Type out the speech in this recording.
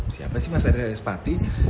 siapa sih mas ari raspati